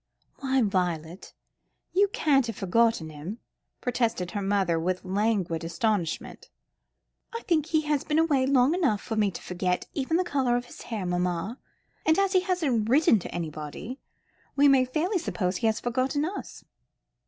"Why Violet, you can't have forgotten him," protested her mother, with languid astonishment. "I think he has been away long enough for me to forget even the colour of his hair, mamma; and as he hasn't written to anybody, we may fairly suppose he has forgotten us."